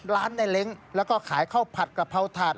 ร้านในเหล็งแล้วก็ขายข้าวผัดกะเพราธาตุ